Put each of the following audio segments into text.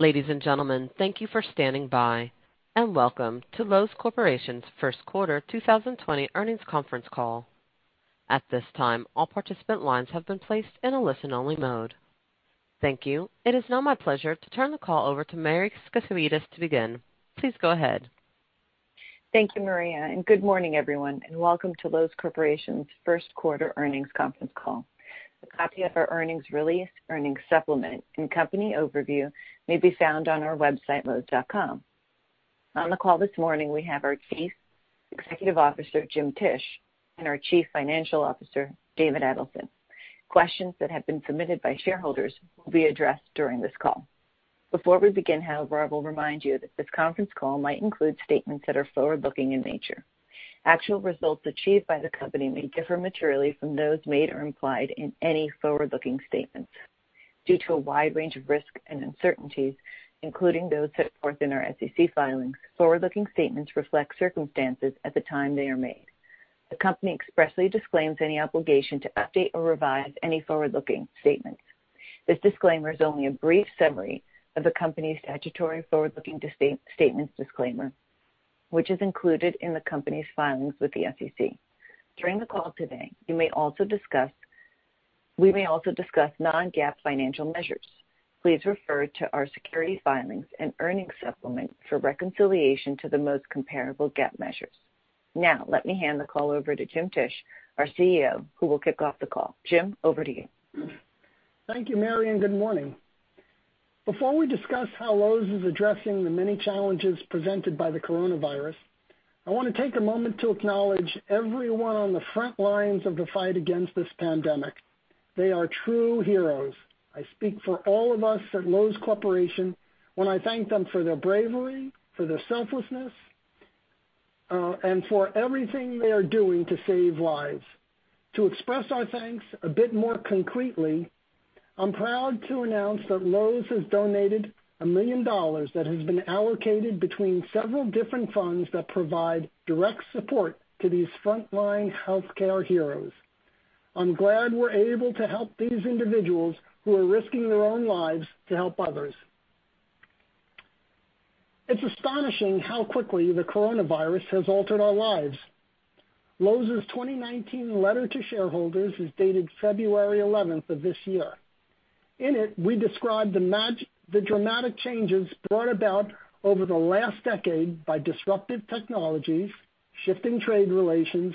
Ladies and gentlemen, thank you for standing by, and welcome to Loews Corporation's first quarter 2020 earnings conference call. At this time, all participant lines have been placed in a listen-only mode. Thank you. It is now my pleasure to turn the call over to Mary Skafidas to begin. Please go ahead. Thank you, Mary, good morning, everyone, and welcome to Loews Corporation's first-quarter earnings conference call. A copy of our earnings release, earnings supplement, and company overview may be found on our website, loews.com. On the call this morning, we have our Chief Executive Officer, Jim Tisch, and our Chief Financial Officer, David Edelson. Questions that have been submitted by shareholders will be addressed during this call. Before we begin, however, I will remind you that this conference call might include statements that are forward-looking in nature. Actual results achieved by the company may differ materially from those made or implied in any forward-looking statements. Due to a wide range of risks and uncertainties, including those set forth in our SEC filings, forward-looking statements reflect circumstances at the time they are made. The company expressly disclaims any obligation to update or revise any forward-looking statements. This disclaimer is only a brief summary of the company's statutory forward-looking statements disclaimer, which is included in the company's filings with the SEC. During the call today, we may also discuss non-GAAP financial measures. Please refer to our securities filings and earnings supplement for reconciliation to the most comparable GAAP measures. Let me hand the call over to Jim Tisch, our CEO, who will kick off the call. Jim, over to you. Thank you, Mary. Good morning. Before we discuss how Loews is addressing the many challenges presented by the coronavirus, I want to take a moment to acknowledge everyone on the front lines of the fight against this pandemic. They are true heroes. I speak for all of us at Loews Corporation when I thank them for their bravery, for their selflessness, and for everything they are doing to save lives. To express our thanks a bit more concretely, I'm proud to announce that Loews has donated $1 million that has been allocated between several different funds that provide direct support to these frontline healthcare heroes. I'm glad we're able to help these individuals who are risking their own lives to help others. It's astonishing how quickly the coronavirus has altered our lives. Loews' 2019 letter to shareholders is dated February 11th of this year. In it, we described the dramatic changes brought about over the last decade by disruptive technologies, shifting trade relations,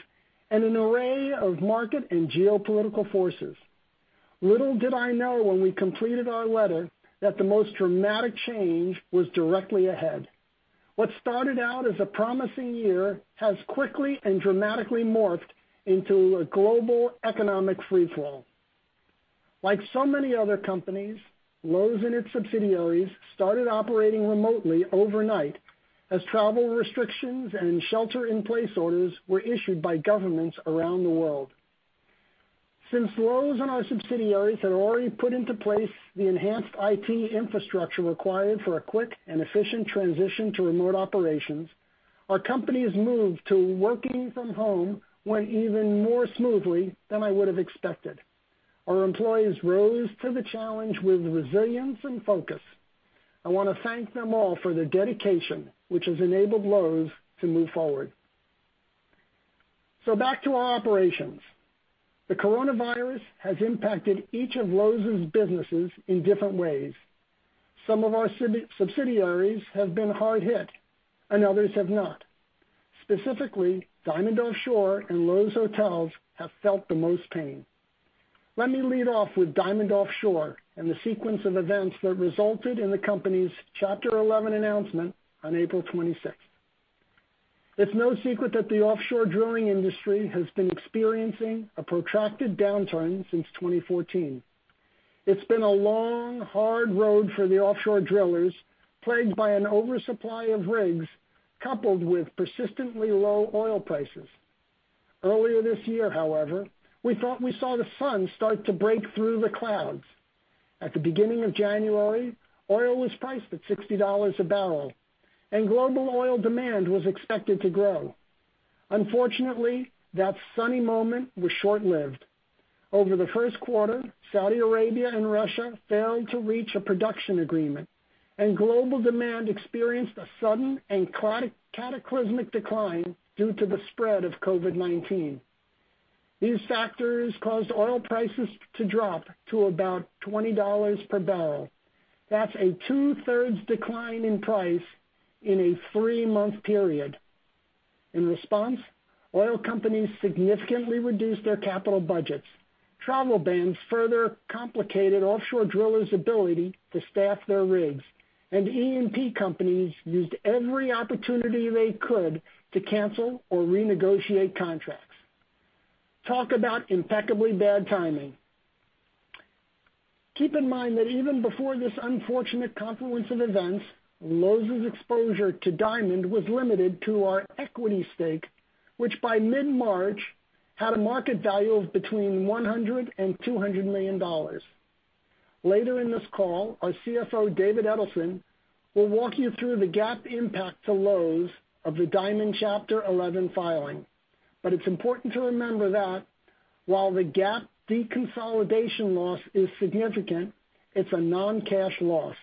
and an array of market and geopolitical forces. Little did I know when we completed our letter that the most dramatic change was directly ahead. What started out as a promising year has quickly and dramatically morphed into a global economic freefall. Like so many other companies, Loews and its subsidiaries started operating remotely overnight as travel restrictions and shelter-in-place orders were issued by governments around the world. Since Loews and our subsidiaries had already put into place the enhanced IT infrastructure required for a quick and efficient transition to remote operations, our company's move to working from home went even more smoothly than I would've expected. Our employees rose to the challenge with resilience and focus. I want to thank them all for their dedication, which has enabled Loews to move forward. Back to our operations. The coronavirus has impacted each of Loews' businesses in different ways. Some of our subsidiaries have been hard hit, and others have not. Specifically, Diamond Offshore and Loews Hotels have felt the most pain. Let me lead off with Diamond Offshore and the sequence of events that resulted in the company's Chapter 11 announcement on April 26th. It's no secret that the offshore drilling industry has been experiencing a protracted downturn since 2014. It's been a long, hard road for the offshore drillers, plagued by an oversupply of rigs coupled with persistently low oil prices. Earlier this year, however, we thought we saw the sun start to break through the clouds. At the beginning of January, oil was priced at $60 a barrel, and global oil demand was expected to grow. Unfortunately, that sunny moment was short-lived. Over the first quarter, Saudi Arabia and Russia failed to reach a production agreement, and global demand experienced a sudden and cataclysmic decline due to the spread of COVID-19. These factors caused oil prices to drop to about $20 per barrel. That's a two-thirds decline in price in a three-month period. In response, oil companies significantly reduced their capital budgets. Travel bans further complicated offshore drillers' ability to staff their rigs, and E&P companies used every opportunity they could to cancel or renegotiate contracts. Talk about impeccably bad timing. Keep in mind that even before this unfortunate confluence of events, Loews' exposure to Diamond was limited to our equity stake, which by mid-March had a market value of between $100 million and $200 million. Later in this call, our CFO, David Edelson, will walk you through the GAAP impact to Loews of the Diamond Chapter 11 filing. It's important to remember that while the GAAP deconsolidation loss is significant, it's a non-cash loss.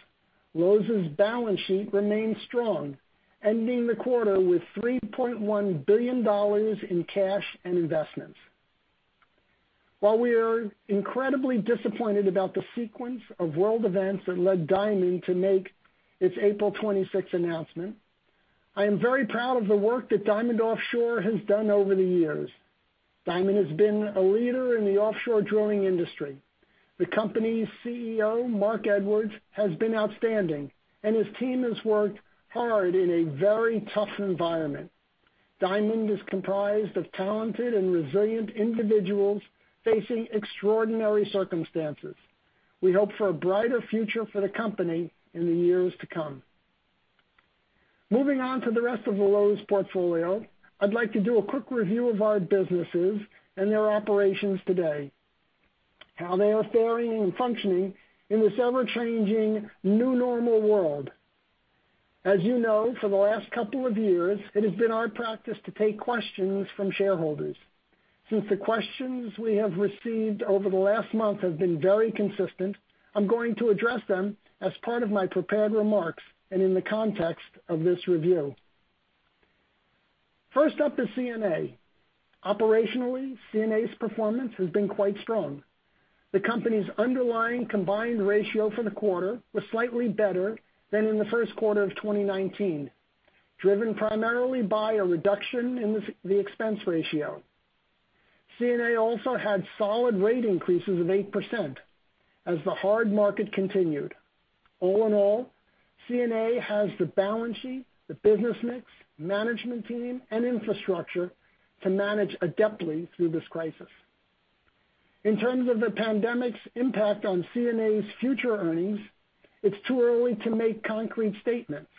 Loews' balance sheet remains strong, ending the quarter with $3.1 billion in cash and investments. While we are incredibly disappointed about the sequence of world events that led Diamond to make its April 26th announcement, I am very proud of the work that Diamond Offshore has done over the years. Diamond has been a leader in the offshore drilling industry. The company's CEO, Marc Edwards, has been outstanding, and his team has worked hard in a very tough environment. Diamond is comprised of talented and resilient individuals facing extraordinary circumstances. We hope for a brighter future for the company in the years to come. Moving on to the rest of the Loews portfolio, I'd like to do a quick review of our businesses and their operations today, how they are fairing and functioning in this ever-changing new normal world. As you know, for the last couple of years, it has been our practice to take questions from shareholders. Since the questions we have received over the last month have been very consistent, I'm going to address them as part of my prepared remarks and in the context of this review. First up is CNA. Operationally, CNA's performance has been quite strong. The company's underlying combined ratio for the quarter was slightly better than in the first quarter of 2019, driven primarily by a reduction in the expense ratio. CNA also had solid rate increases of 8% as the hard market continued. All in all, CNA has the balance sheet, the business mix, management team, and infrastructure to manage adeptly through this crisis. In terms of the pandemic's impact on CNA's future earnings, it's too early to make concrete statements,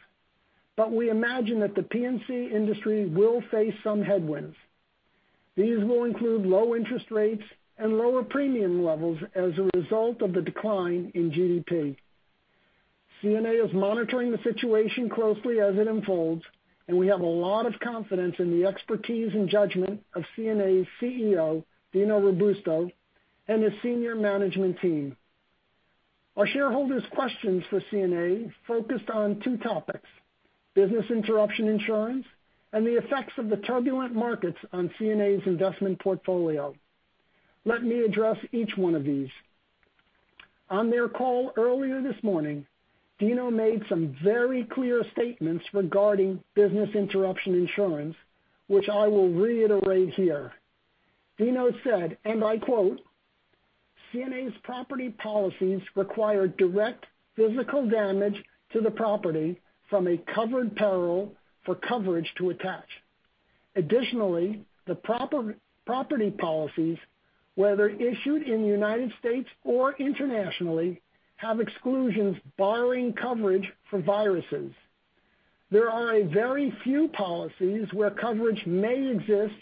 but we imagine that the P&C industry will face some headwinds. These will include low interest rates and lower premium levels as a result of the decline in GDP. CNA is monitoring the situation closely as it unfolds, and we have a lot of confidence in the expertise and judgment of CNA's CEO, Dino Robusto, and his senior management team. Our shareholders' questions for CNA focused on two topics, business interruption insurance and the effects of the turbulent markets on CNA's investment portfolio. Let me address each one of these. On their call earlier this morning, Dino made some very clear statements regarding business interruption insurance, which I will reiterate here. Dino said, and I quote, "CNA's property policies require direct physical damage to the property from a covered peril for coverage to attach. Additionally, the property policies, whether issued in the United States or internationally, have exclusions barring coverage for viruses. There are a very few policies where coverage may exist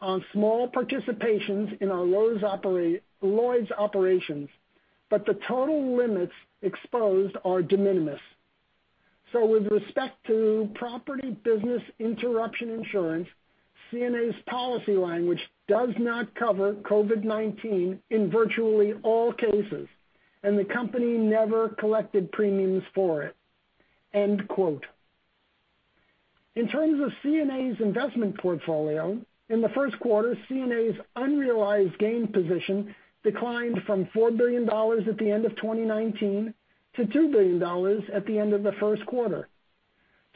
on small participations in our Lloyd's operations, but the total limits exposed are de minimis. With respect to property business interruption insurance, CNA's policy language does not cover COVID-19 in virtually all cases, and the company never collected premiums for it." End quote. In terms of CNA's investment portfolio, in the first quarter, CNA's unrealized gain position declined from $4 billion at the end of 2019 to $2 billion at the end of the first quarter.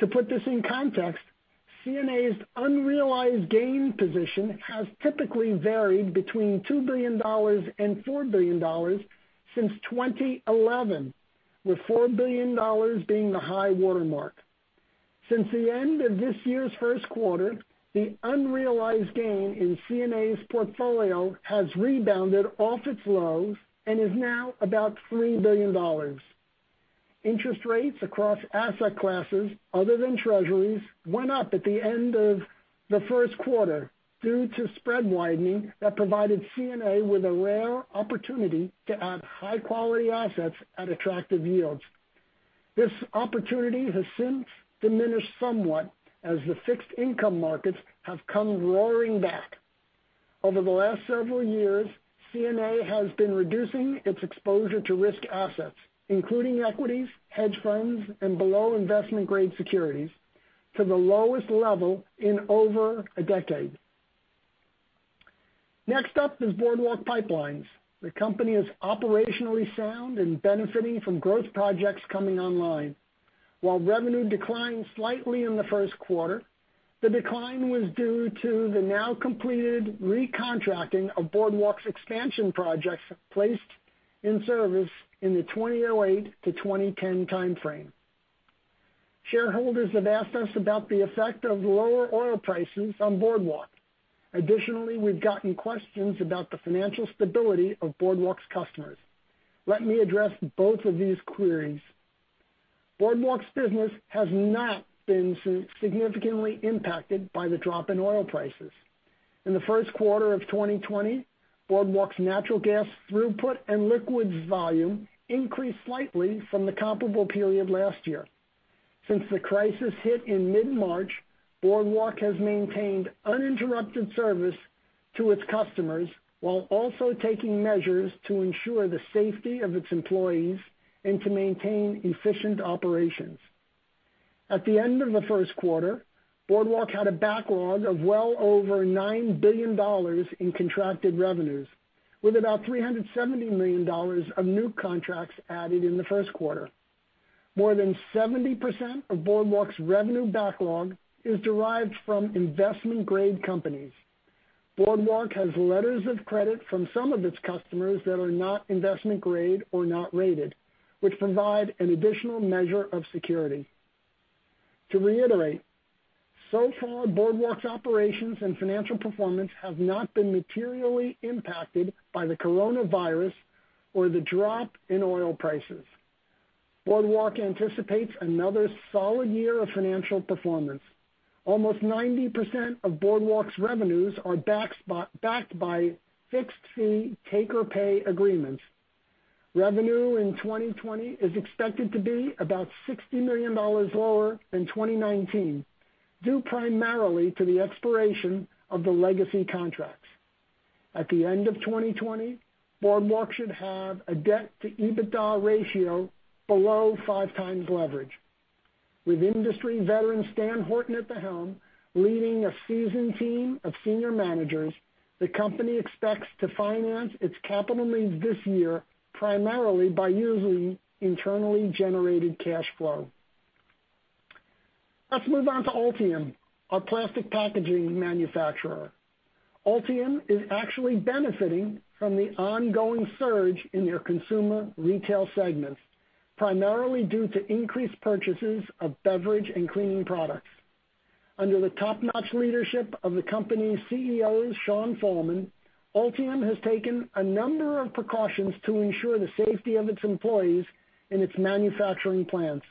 To put this in context, CNA's unrealized gain position has typically varied between $2 billion and $4 billion since 2011, with $4 billion being the high watermark. Since the end of this year's first quarter, the unrealized gain in CNA's portfolio has rebounded off its lows and is now about $3 billion. Interest rates across asset classes other than treasuries went up at the end of the first quarter due to spread widening that provided CNA with a rare opportunity to add high-quality assets at attractive yields. This opportunity has since diminished somewhat as the fixed income markets have come roaring back. Over the last several years, CNA has been reducing its exposure to risk assets, including equities, hedge funds, and below investment-grade securities, to the lowest level in over a decade. Next up is Boardwalk Pipelines. The company is operationally sound and benefiting from growth projects coming online. While revenue declined slightly in the first quarter, the decline was due to the now-completed recontracting of Boardwalk's expansion projects placed in service in the 2008-2010 timeframe. Shareholders have asked us about the effect of lower oil prices on Boardwalk. Additionally, we've gotten questions about the financial stability of Boardwalk's customers. Let me address both of these queries. Boardwalk's business has not been significantly impacted by the drop in oil prices. In the first quarter of 2020, Boardwalk's natural gas throughput and liquids volume increased slightly from the comparable period last year. Since the crisis hit in mid-March, Boardwalk has maintained uninterrupted service to its customers while also taking measures to ensure the safety of its employees and to maintain efficient operations. At the end of the first quarter, Boardwalk had a backlog of well over $9 billion in contracted revenues, with about $370 million of new contracts added in the first quarter. More than 70% of Boardwalk's revenue backlog is derived from investment-grade companies. Boardwalk has letters of credit from some of its customers that are not investment-grade or not rated, which provide an additional measure of security. To reiterate, so far, Boardwalk's operations and financial performance have not been materially impacted by the coronavirus or the drop in oil prices. Boardwalk anticipates another solid year of financial performance. Almost 90% of Boardwalk's revenues are backed by fixed-fee take-or-pay agreements. Revenue in 2020 is expected to be about $60 million lower than 2019, due primarily to the expiration of the legacy contracts. At the end of 2020, Boardwalk should have a debt-to-EBITDA ratio below five times leverage. With industry veteran Stan Horton at the helm, leading a seasoned team of senior managers, the company expects to finance its capital needs this year primarily by using internally generated cash flow. Let's move on to Altium, our plastic packaging manufacturer. Altium is actually benefiting from the ongoing surge in their consumer retail segments, primarily due to increased purchases of beverage and cleaning products. Under the top-notch leadership of the company's CEO, Sean Fallmann, Altium has taken a number of precautions to ensure the safety of its employees in its manufacturing plants.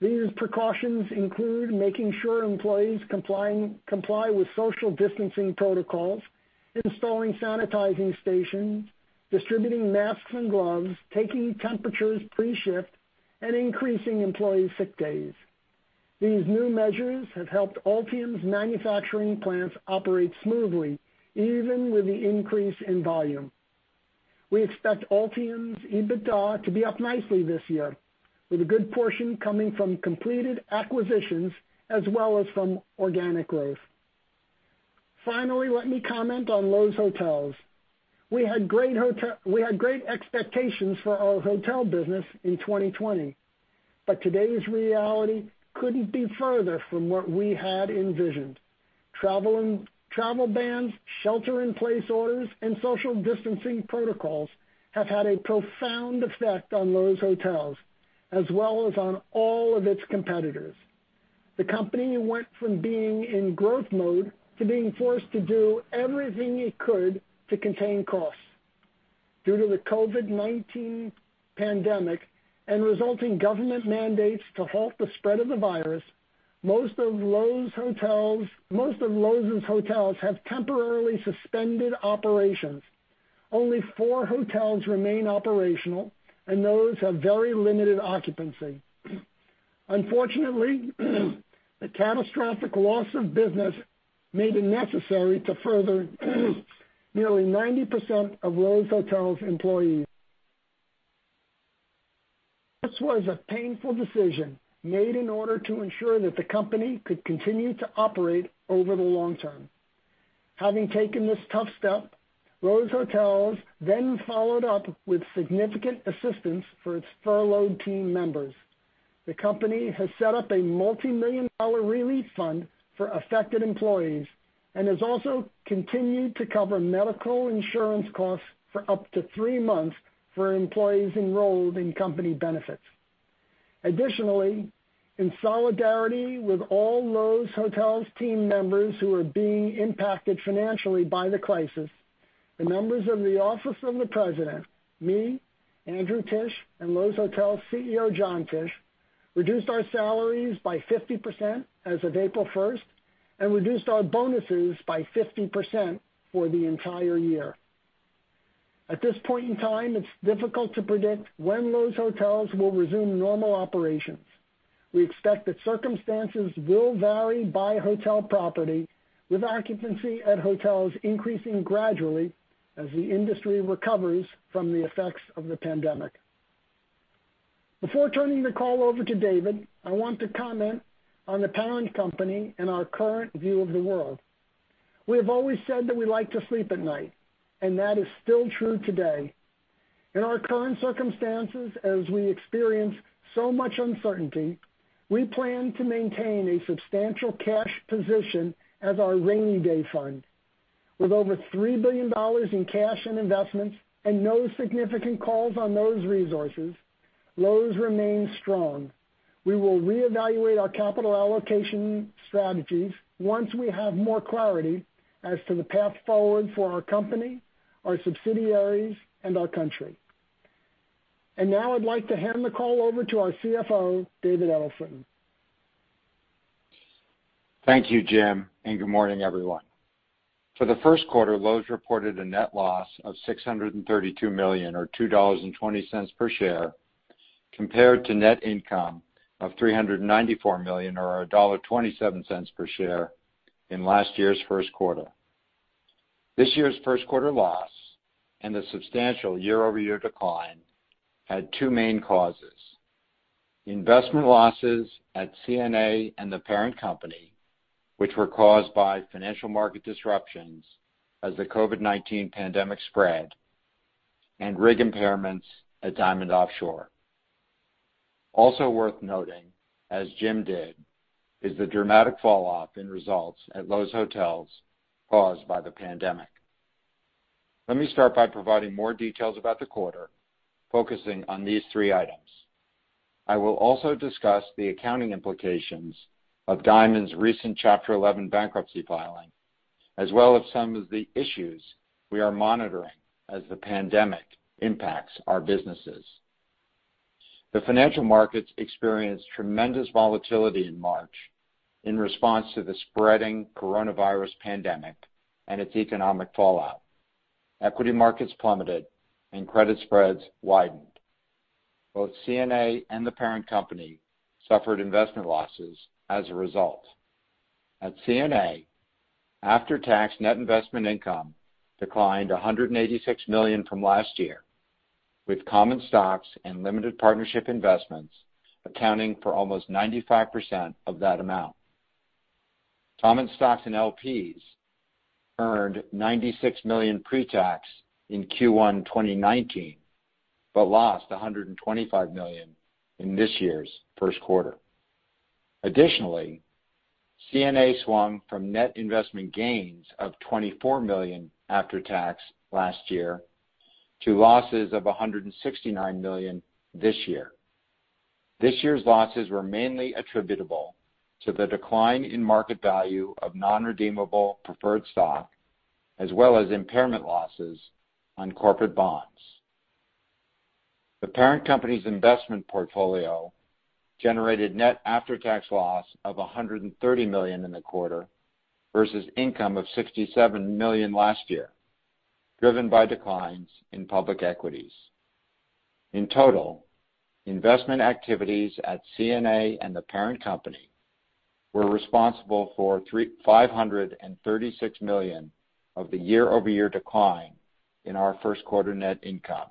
These precautions include making sure employees comply with social distancing protocols, installing sanitizing stations, distributing masks and gloves, taking temperatures pre-shift, and increasing employees' sick days. These new measures have helped Altium's manufacturing plants operate smoothly, even with the increase in volume. We expect Altium's EBITDA to be up nicely this year, with a good portion coming from completed acquisitions as well as from organic growth. Let me comment on Loews Hotels. We had great expectations for our hotel business in 2020. Today's reality couldn't be further from what we had envisioned. Travel bans, shelter-in-place orders, and social distancing protocols have had a profound effect on Loews Hotels, as well as on all of its competitors. The company went from being in growth mode to being forced to do everything it could to contain costs. Due to the COVID-19 pandemic and resulting government mandates to halt the spread of the virus, most of Loews Hotels have temporarily suspended operations. Only four hotels remain operational, and those have very limited occupancy. Unfortunately, the catastrophic loss of business made it necessary to furlough nearly 90% of Loews Hotels' employees. This was a painful decision made in order to ensure that the company could continue to operate over the long term. Having taken this tough step, Loews Hotels then followed up with significant assistance for its furloughed team members. The company has set up a multimillion-dollar relief fund for affected employees and has also continued to cover medical insurance costs for up to three months for employees enrolled in company benefits. Additionally, in solidarity with all Loews Hotels team members who are being impacted financially by the crisis, the members of the office of the president, me, Andrew Tisch, and Loews Hotels' CEO, Jon Tisch, reduced our salaries by 50% as of April 1st and reduced our bonuses by 50% for the entire year. At this point in time, it's difficult to predict when Loews Hotels will resume normal operations. We expect that circumstances will vary by hotel property, with occupancy at hotels increasing gradually as the industry recovers from the effects of the pandemic. Before turning the call over to David, I want to comment on the parent company and our current view of the world. We have always said that we like to sleep at night, and that is still true today. In our current circumstances, as we experience so much uncertainty, we plan to maintain a substantial cash position as our rainy day fund. With over $3 billion in cash and investments and no significant calls on those resources, Loews remains strong. We will reevaluate our capital allocation strategies once we have more clarity as to the path forward for our company, our subsidiaries, and our country. Now I'd like to hand the call over to our CFO, David Edelson. Thank you, Jim. Good morning, everyone. For the first quarter, Loews reported a net loss of $632 million, or $2.20 per share, compared to net income of $394 million, or $1.27 per share in last year's first quarter. This year's first quarter loss and the substantial year-over-year decline had two main causes. Investment losses at CNA and the parent company, which were caused by financial market disruptions as the COVID-19 pandemic spread, and rig impairments at Diamond Offshore. Also worth noting, as Jim did, is the dramatic falloff in results at Loews Hotels caused by the pandemic. Let me start by providing more details about the quarter, focusing on these three items. I will also discuss the accounting implications of Diamond's recent Chapter 11 bankruptcy filing, as well as some of the issues we are monitoring as the pandemic impacts our businesses. The financial markets experienced tremendous volatility in March in response to the spreading coronavirus pandemic and its economic fallout. Equity markets plummeted and credit spreads widened. Both CNA and the parent company suffered investment losses as a result. At CNA, after-tax net investment income declined $186 million from last year, with common stocks and limited partnership investments accounting for almost 95% of that amount. Common stocks and LPs earned $96 million pre-tax in Q1 2019, lost $125 million in this year's first quarter. Additionally, CNA swung from net investment gains of $24 million after tax last year to losses of $169 million this year. This year's losses were mainly attributable to the decline in market value of non-redeemable preferred stock, as well as impairment losses on corporate bonds. The parent company's investment portfolio generated net after-tax loss of $130 million in the quarter versus income of $67 million last year, driven by declines in public equities. In total, investment activities at CNA and the parent company were responsible for $536 million of the year-over-year decline in our first quarter net income.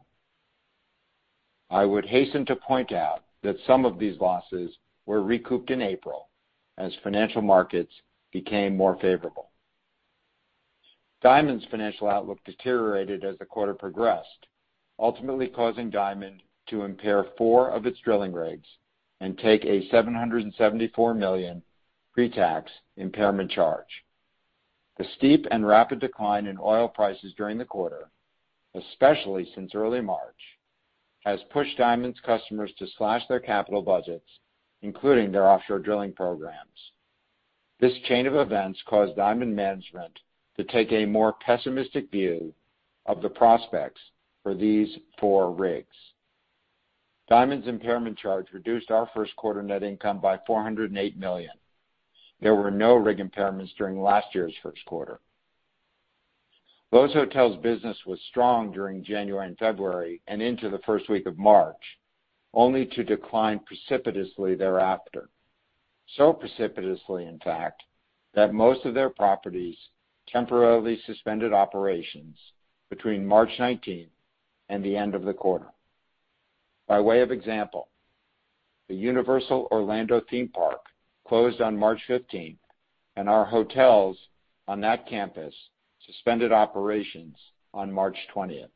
I would hasten to point out that some of these losses were recouped in April as financial markets became more favorable. Diamond's financial outlook deteriorated as the quarter progressed, ultimately causing Diamond to impair four of its drilling rigs and take a $774 million pre-tax impairment charge. The steep and rapid decline in oil prices during the quarter, especially since early March, has pushed Diamond's customers to slash their capital budgets, including their offshore drilling programs. This chain of events caused Diamond management to take a more pessimistic view of the prospects for these four rigs. Diamond's impairment charge reduced our first quarter net income by $408 million. There were no rig impairments during last year's first quarter. Loews Hotels' business was strong during January and February and into the first week of March, only to decline precipitously thereafter. Precipitously, in fact, that most of their properties temporarily suspended operations between March 19th and the end of the quarter. By way of example, the Universal Orlando theme park closed on March 15th, and our hotels on that campus suspended operations on March 20th.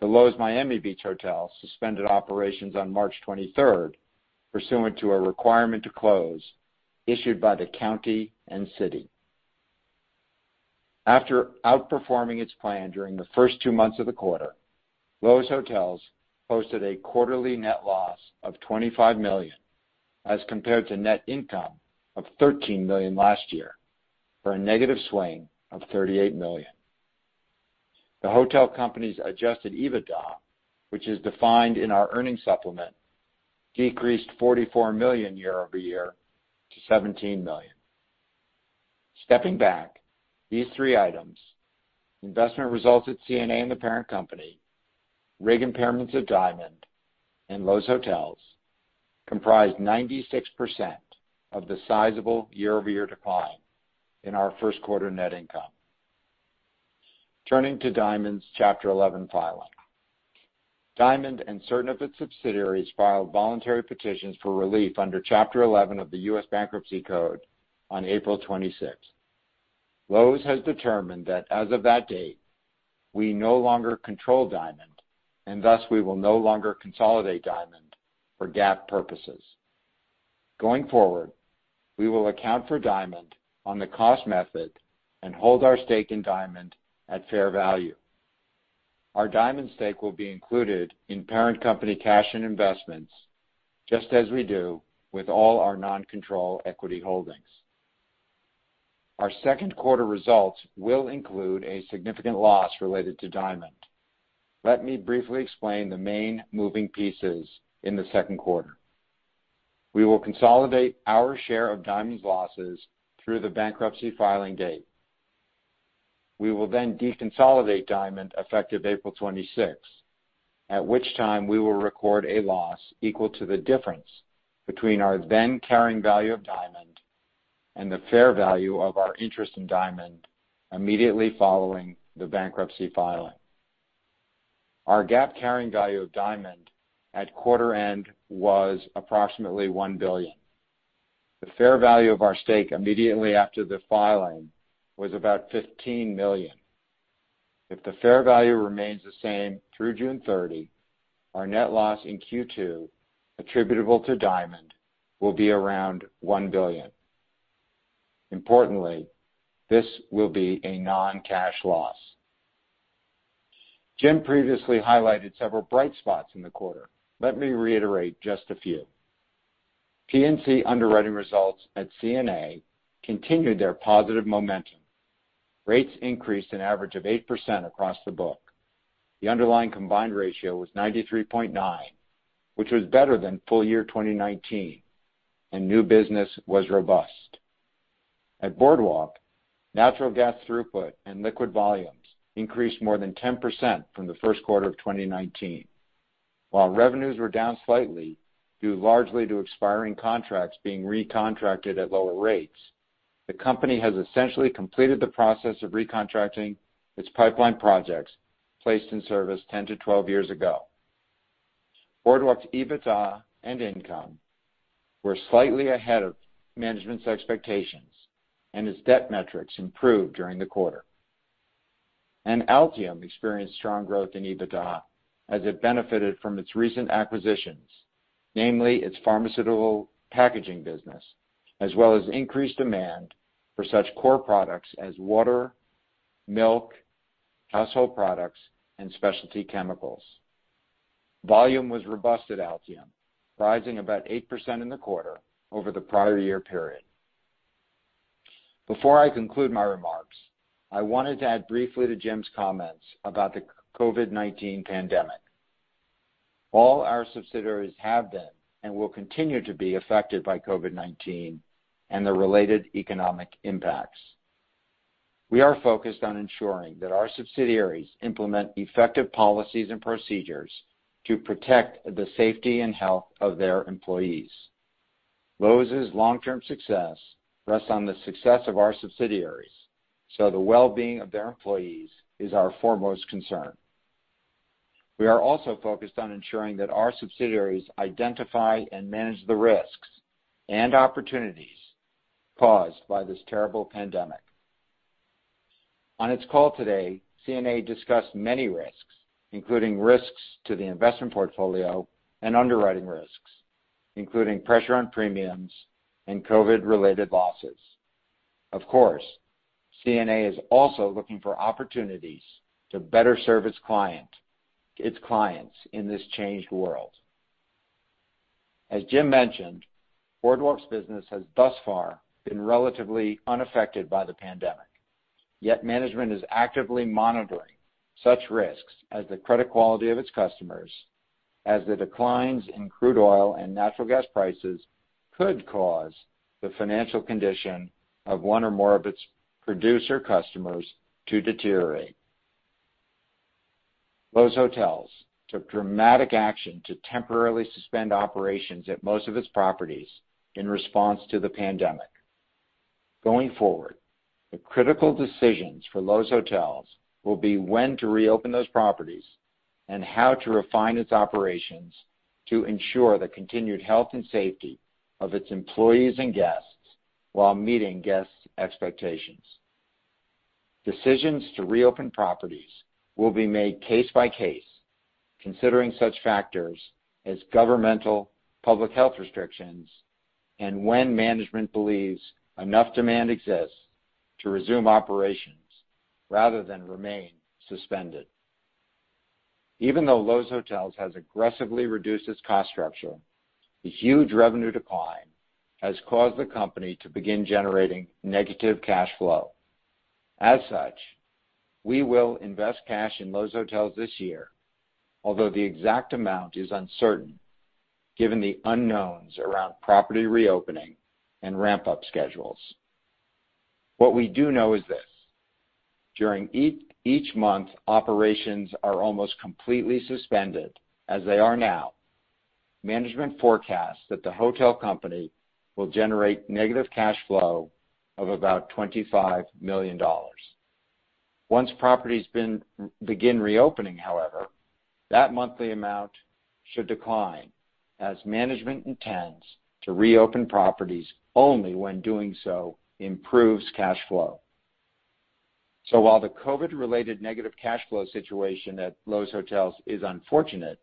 The Loews Miami Beach Hotel suspended operations on March 23rd pursuant to a requirement to close issued by the county and city. After outperforming its plan during the first two months of the quarter, Loews Hotels posted a quarterly net loss of $25 million as compared to net income of $13 million last year, for a negative swing of $38 million. The hotel company's adjusted EBITDA, which is defined in our earnings supplement, decreased $44 million year-over-year to $17 million. Stepping back, these three items, investment results at CNA and the parent company, rig impairments of Diamond, and Loews Hotels, comprise 96% of the sizable year-over-year decline in our first quarter net income. Turning to Diamond's Chapter 11 filing. Diamond and certain of its subsidiaries filed voluntary petitions for relief under Chapter 11 of the U.S. Bankruptcy Code on April 26th. Loews has determined that as of that date, we no longer control Diamond, and thus we will no longer consolidate Diamond for GAAP purposes. Going forward, we will account for Diamond on the cost method and hold our stake in Diamond at fair value. Our Diamond stake will be included in parent company cash and investments just as we do with all our non-control equity holdings. Our second quarter results will include a significant loss related to Diamond. Let me briefly explain the main moving pieces in the second quarter. We will consolidate our share of Diamond's losses through the bankruptcy filing date. We will then deconsolidate Diamond effective April 26th, at which time we will record a loss equal to the difference between our then carrying value of Diamond and the fair value of our interest in Diamond immediately following the bankruptcy filing. Our GAAP carrying value of Diamond at quarter end was approximately $1 billion. The fair value of our stake immediately after the filing was about $15 million. If the fair value remains the same through June 30, our net loss in Q2 attributable to Diamond will be around $1 billion. Importantly, this will be a non-cash loss. Jim previously highlighted several bright spots in the quarter. Let me reiterate just a few. P&C underwriting results at CNA continued their positive momentum. Rates increased an average of 8% across the book. The underlying combined ratio was 93.9%, which was better than full year 2019, and new business was robust. At Boardwalk, natural gas throughput and liquid volumes increased more than 10% from the first quarter of 2019. While revenues were down slightly, due largely to expiring contracts being recontracted at lower rates, the company has essentially completed the process of recontracting its pipeline projects placed in service 10 to 12 years ago. Boardwalk Pipelines' EBITDA and income were slightly ahead of management's expectations. Its debt metrics improved during the quarter. Altium experienced strong growth in EBITDA as it benefited from its recent acquisitions, namely its pharmaceutical packaging business, as well as increased demand for such core products as water, milk, household products, and specialty chemicals. Volume was robust at Altium, rising about 8% in the quarter over the prior-year period. Before I conclude my remarks, I wanted to add briefly to Jim's comments about the COVID-19 pandemic. All our subsidiaries have been and will continue to be affected by COVID-19 and the related economic impacts. We are focused on ensuring that our subsidiaries implement effective policies and procedures to protect the safety and health of their employees. Loews' long-term success rests on the success of our subsidiaries, so the well-being of their employees is our foremost concern. We are also focused on ensuring that our subsidiaries identify and manage the risks and opportunities caused by this terrible pandemic. On its call today, CNA discussed many risks, including risks to the investment portfolio and underwriting risks, including pressure on premiums and COVID-related losses. Of course, CNA is also looking for opportunities to better serve its clients in this changed world. As Jim mentioned, Boardwalk's business has thus far been relatively unaffected by the pandemic. Yet management is actively monitoring such risks as the credit quality of its customers, as the declines in crude oil and natural gas prices could cause the financial condition of one or more of its producer customers to deteriorate. Loews Hotels took dramatic action to temporarily suspend operations at most of its properties in response to the pandemic. Going forward, the critical decisions for Loews Hotels will be when to reopen those properties and how to refine its operations to ensure the continued health and safety of its employees and guests while meeting guests' expectations. Decisions to reopen properties will be made case by case, considering such factors as governmental public health restrictions and when management believes enough demand exists to resume operations rather than remain suspended. Even though Loews Hotels has aggressively reduced its cost structure, the huge revenue decline has caused the company to begin generating negative cash flow. As such, we will invest cash in Loews Hotels this year, although the exact amount is uncertain given the unknowns around property reopening and ramp-up schedules. What we do know is this. During each month operations are almost completely suspended, as they are now; management forecasts that the hotel company will generate negative cash flow of about $25 million. Once properties begin reopening, however, that monthly amount should decline as management intends to reopen properties only when doing so improves cash flow. While the COVID-related negative cash flow situation at Loews Hotels is unfortunate,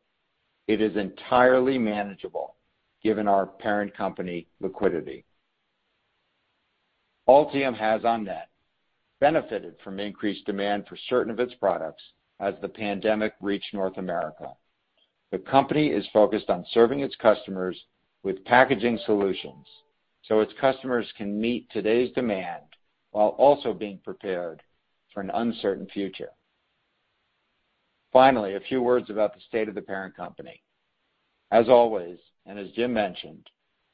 it is entirely manageable given our parent company's liquidity. Altium has, on net, benefited from increased demand for certain of its products as the pandemic reached North America. The company is focused on serving its customers with packaging solutions so its customers can meet today's demand while also being prepared for an uncertain future. Finally, a few words about the state of the parent company. As always, and as Jim mentioned,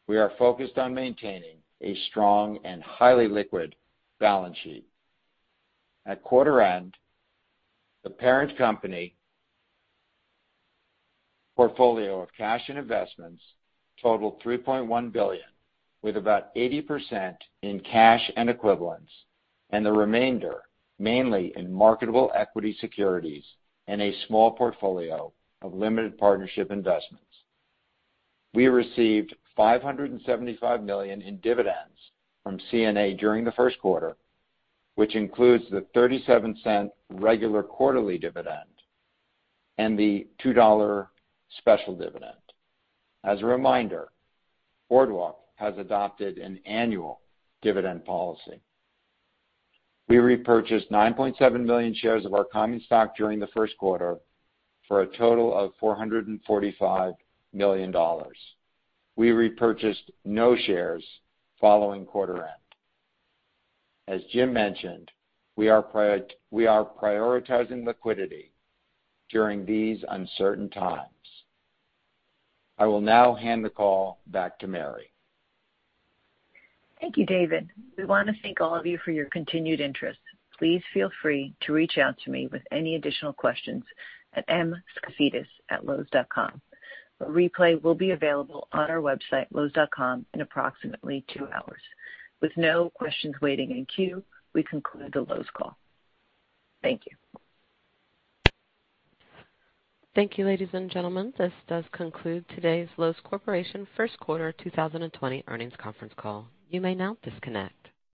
we are focused on maintaining a strong and highly liquid balance sheet. At quarter end, the parent company portfolio of cash and investments totaled $3.1 billion, with about 80% in cash and equivalents, and the remainder mainly in marketable equity securities and a small portfolio of limited partnership investments. We received $575 million in dividends from CNA during the first quarter, which includes the $0.37 regular quarterly dividend and the $2 special dividend. As a reminder, Boardwalk has adopted an annual dividend policy. We repurchased 9.7 million shares of our common stock during the first quarter for a total of $445 million. We repurchased no shares following quarter end. As Jim mentioned, we are prioritizing liquidity during these uncertain times. I will now hand the call back to Mary. Thank you, David. We want to thank all of you for your continued interest. Please feel free to reach out to me with any additional questions at mskafidas@loews.com. A replay will be available on our website, loews.com, in approximately two hours. With no questions waiting in queue, we conclude the Loews call. Thank you. Thank you, ladies and gentlemen. This does conclude today's Loews Corporation first quarter 2020 earnings conference call. You may now disconnect.